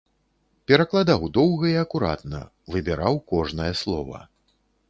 Перакладаў доўга і акуратна, выбіраў кожнае слова.